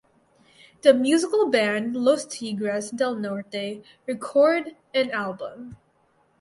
The musical band Los Tigres del Norte record an album.